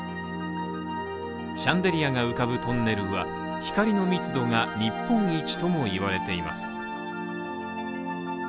シャンデリアが浮かぶトンネルは光の密度が日本一とも言われています。